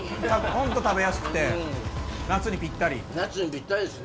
本当食べやすくて夏にピッタリ。